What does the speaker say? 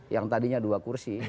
yang tadinya dua kursi